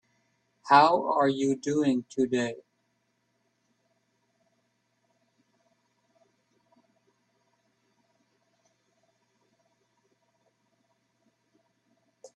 How are you doing today?